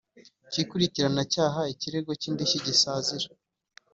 Cy ikurikiranacyaha ikirego cy indishyi gisazira